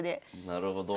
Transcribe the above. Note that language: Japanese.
なるほど。